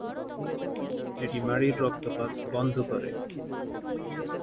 এটি মাড়ির রক্তপাত বন্ধ করে।